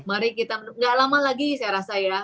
mari kita menunggu gak lama lagi saya rasa ya